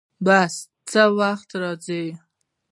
بس څه وخت راځي؟